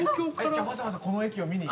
じゃあわざわざこの駅を見に？